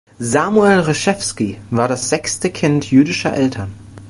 Samuel Reshevsky war das sechste Kind jüdischer Eltern.